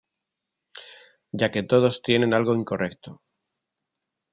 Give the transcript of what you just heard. Ya que todos tienen algo incorrecto